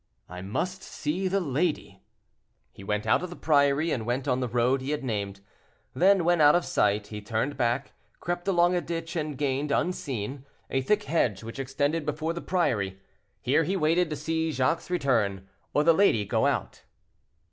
"I must see the lady," thought Chicot. He went out of the priory and went on the road he had named; then, when out of sight, he turned back, crept along a ditch and gained, unseen, a thick hedge which extended before the priory. Here he waited to see Jacques return or the lady go out.